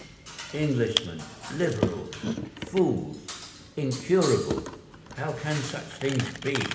"Englishmen! Liberals! Fools! Incurable! How can such things be?